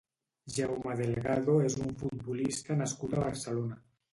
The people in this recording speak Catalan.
Jaume Delgado és un futbolista nascut a Barcelona.